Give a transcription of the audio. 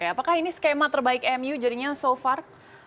apakah ini skema terbaik mu jadinya so far